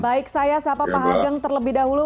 baik saya siapa pak hageng terlebih dahulu